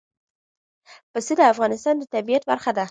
پسه د افغانستان د طبیعت برخه ده.